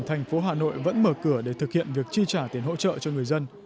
thành phố hà nội vẫn mở cửa để thực hiện việc chi trả tiền hỗ trợ cho người dân